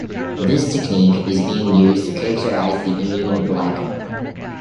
This technique is being used to characterize the immune glycome.